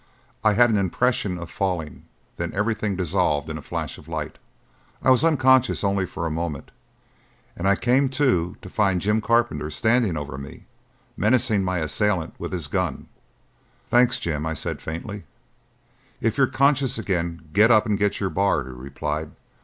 I had an impression of falling; then everything dissolved in a flash of light. I was unconscious only for a moment, and I came to to find Jim Carpenter standing over me, menacing my assailant with his gun. "Thanks, Jim," I said faintly. "If you're conscious again, get up and get your bar," he replied.